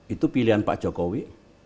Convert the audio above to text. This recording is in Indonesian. itu pilihan pak jokowi